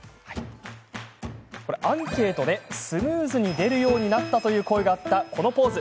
アンケートでスムーズに出るようになったという声があったこのポーズ。